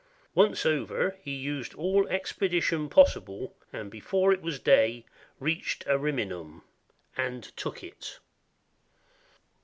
Once over, he used all expedition possible, and before it was day reached Ariminum, and took it.